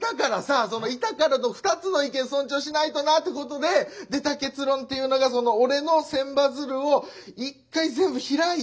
いたからの２つの意見尊重しないとなってことで出た結論っていうのが俺の千羽鶴を１回全部開いて。